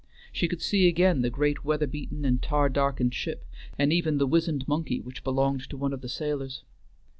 She could see again the great weather beaten and tar darkened ship, and even the wizened monkey which belonged to one of the sailors.